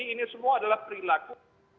ini semua adalah perilaku